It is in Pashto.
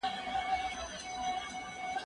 زه مخکي کتابتون ته تللی و!.